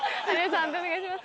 判定お願いします。